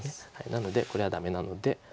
なのでこれはダメなので。